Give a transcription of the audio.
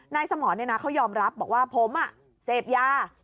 นายสมรเนี่ยนะเขายอมรับบอกว่าผมอ่ะเสพยา